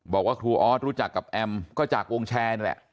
บอกว่าครูออสรู้จักกับแอมก็จากวงแชร์นั่นแหละ